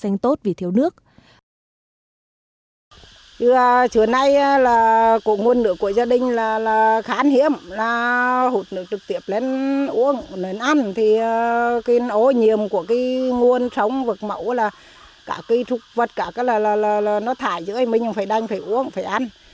nếu mình muốn uống nên ăn thì cái ô nhiệm của cái nguồn sống vực mẫu là cả cái trục vật cả cái là nó thả dưới mình phải đánh phải uống phải ăn